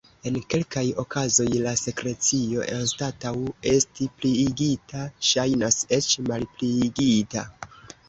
En kelkaj okazoj la sekrecio, anstataŭ esti pliigita, ŝajnas eĉ malpliigita.